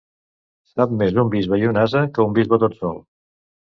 Sap més un bisbe i un ase que un bisbe tot sol.